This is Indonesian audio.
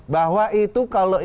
bahwa itu kalau itu perlu